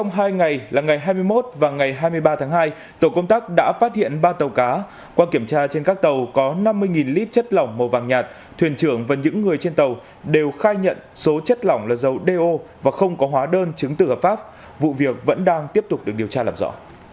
ngày hai mươi một và ngày hai mươi ba tháng hai tổ công tác đã phát hiện ba tàu cá qua kiểm tra trên các tàu có năm mươi lít chất lỏng màu vàng nhạt thuyền trưởng và những người trên tàu đều khai nhận số chất lỏng là dầu do và không có hóa đơn chứng từ hợp pháp vụ việc vẫn đang tiếp tục được điều tra làm rõ